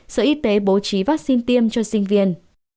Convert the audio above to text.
sở y tế bố trí vắc xin tiêm cho sinh viên